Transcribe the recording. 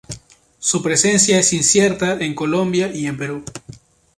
Su presencia es incierta en Colombia y en Perú.